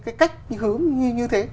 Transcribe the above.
cái cách hướng như thế